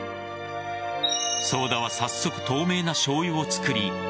早田は早速透明なしょうゆを造り